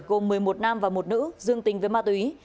gồm một mươi một nam và một nữ dương tình với ma túy